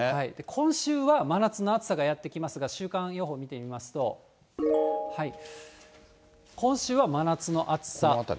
今週は真夏の暑さがやって来ますが、週間予報見てみますと、今週は真夏の暑さ。